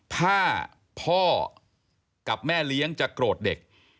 ถ้าพ่อกับแม่เลี้ยงจะโกรธเด็ก